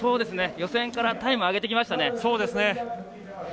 予選からタイム上げてきましたね。